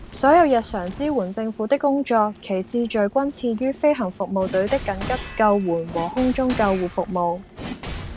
所有日常支援政府的工作，其次序均次於飛行服務隊的緊急救援和空中救護服務